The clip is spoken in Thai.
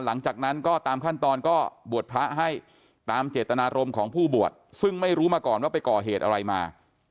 หลังจากนั้นก็ตามขั้นตอนก็บวชพระให้ตามเจตนารมณ์ของผู้บวชซึ่งไม่รู้มาก่อนว่าไปก่อเหตุอะไรมา